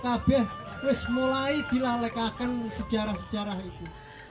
terus mulai dilalekakan sejarah sejarah itu